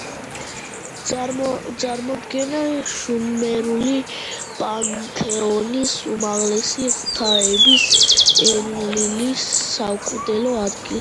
წარმოადგენდა შუმერული პანთეონის უმაღლესი ღვთაების, ენლილის საკულტო ადგილს.